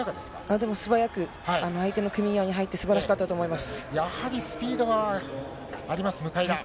でも素早く、相手の組み合いに入って、すばらしかったと思います。